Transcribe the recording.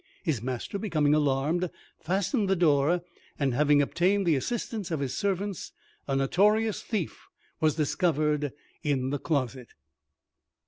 His master, becoming alarmed, fastened the door, and having obtained the assistance of his servants, a notorious thief was discovered in the closet.